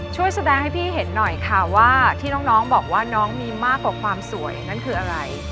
ช่วยแสดงให้พี่เห็นหน่อยค่ะว่าที่น้องบอกว่าน้องมีมากกว่าความสวยนั่นคืออะไร